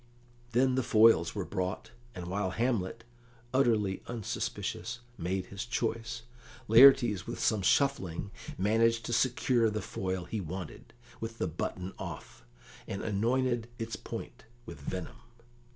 Then the foils were brought, and while Hamlet, utterly unsuspicious, made his choice, Laertes, with some shuffling, managed to secure the foil he wanted, with the button off, and anointed its point with venom.